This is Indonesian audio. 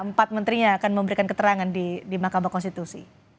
empat menterinya akan memberikan keterangan di mahkamah konstitusi